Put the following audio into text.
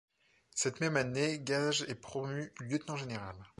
Cette même année, Gage est promu lieutenant général.